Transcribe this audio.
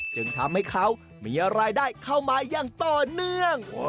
จึงทำให้เขามีรายได้เข้ามาอย่างต่อเนื่อง